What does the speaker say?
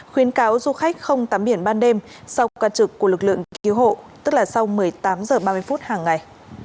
khuyến cáo du khách không tắm biển ban đêm sau ca trực của lực lượng cứu hộ tức là sau một mươi tám h ba mươi hàng ngày